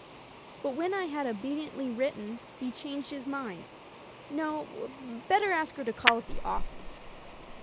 But when I had obediently written, he changed his mind. "No, better ask her to call at the office."